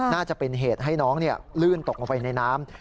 น่าจะเป็นเหตุให้น้องลื่นตกลงไปในน้ำ